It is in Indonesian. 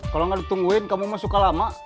kalau gak ditungguin kamu mah suka lama